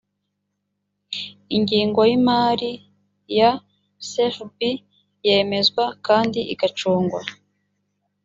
ingengo y imari ya sfb yemezwa kandi igacungwa